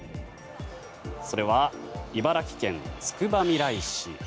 それは、茨城県つくばみらい市。